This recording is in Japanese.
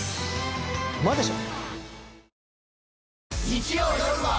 ウマでしょ！